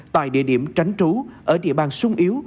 tại địa điểm tránh trú ở địa bàn sung yếu